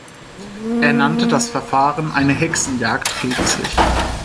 Er nannte das Verfahren eine „Hexenjagd“ gegen sich.